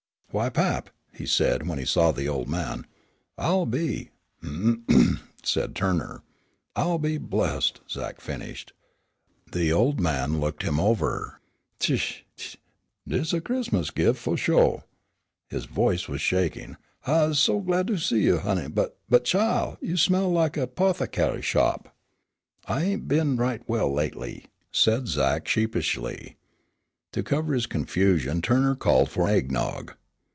"Why, Pap," he said when he saw the old man, "I'll be " "Hem!" said Turner. "I'll be blessed!" Zach finished. The old man looked him over. "Tsch! tsch! tsch! Dis is a Crismus gif' fu' sho'!" His voice was shaking. "I's so glad to see you, honey; but chile, you smell lak a 'pothac'ay shop." "I ain't been right well lately," said Zach sheepishly. To cover his confusion Turner called for eggnog.